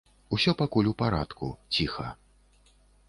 Усё пакуль у парадку, ціха.